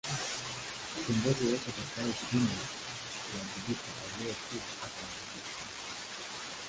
Kiongozi yeyote atakayeshindwa kuwajibika aelewe kuwa atawajibishwa